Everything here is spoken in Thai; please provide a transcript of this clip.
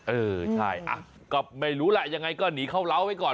เออใช่ก็ไม่รู้แหละยังไงก็หนีเข้าเล้าไว้ก่อน